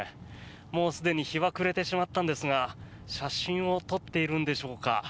もうすでに日は暮れてしまったんですが写真を撮っているんでしょうか。